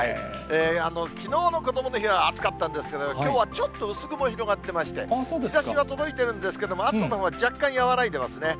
きのうのこどもの日は暑かったんですけど、きょうはちょっと薄雲広がってまして、日ざしが届いてるんですけども、暑さのほうは若干和らいでますね。